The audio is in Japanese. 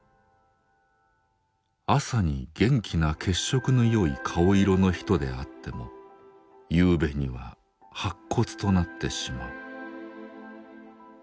朝に元気な血色のよい顔色の人であっても夕べには白骨となってしまう。